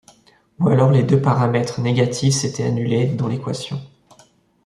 Ou alors les deux paramètres négatifs s’étaient annulés dans l’équation.